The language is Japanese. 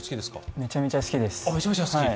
めちゃめちゃ好きです。